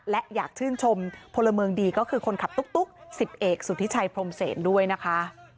และอยากชื่นชมพลเมืองดีก็คือคนขับตุ๊กสิบเอกสุธิชัยพรมเศษด้วยนะคะ